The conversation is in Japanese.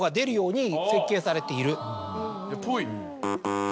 っぽいね。